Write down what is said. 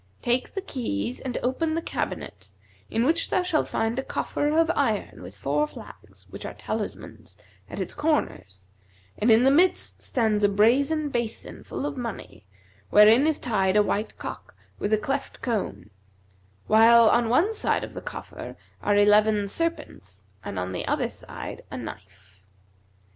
Take the keys and open the cabinet in which thou shalt find a coffer of iron with four flags, which are talismans, at its corners; and in its midst stands a brazen basin full of money, wherein is tied a white cock with a cleft comb; while on one side of the coffer are eleven serpents and on the other a knife.